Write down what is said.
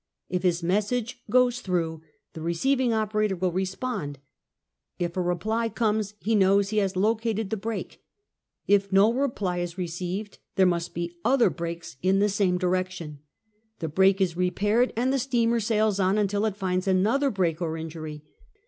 If his message goes through, the receiving operator will respond. If a reply comes, he knows he has located the break; if no reply is received, there must be other breaks in the same direction. The break is repaired, and the steamer sails on until it finds another break or injury.